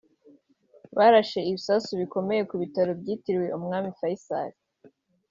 barashe ibisasu bikomeye ku bitaro byitiriwe umwami Faysal